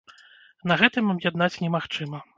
На гэтым аб'яднаць немагчыма.